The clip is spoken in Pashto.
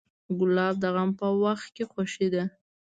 ګلاب د غم په وخت خوښي ده.